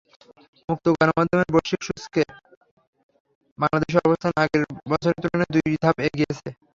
মুক্ত গণমাধ্যমের বৈশ্বিক সূচকে বাংলাদেশের অবস্থান আগের বছরের তুলনায় দুই ধাপ এগিয়েছে।